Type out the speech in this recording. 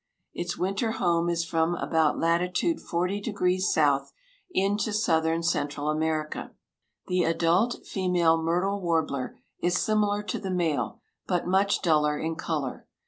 Its winter home is from about latitude 40° south into southern Central America. The adult female myrtle warbler is similar to the male, but much duller in color.